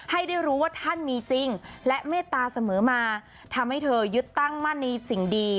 ให้ได้รู้ว่าท่านมีจริงและเมตตาเสมอมาทำให้เธอยึดตั้งมั่นในสิ่งดี